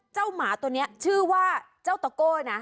หมาตัวนี้ชื่อว่าเจ้าตะโก้นะ